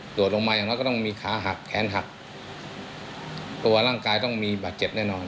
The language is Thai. ตรวจลงมาอย่างน้อยก็ต้องมีขาหักแขนหักตัวร่างกายต้องมีบาดเจ็บแน่นอน